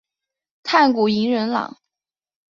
炭谷银仁朗。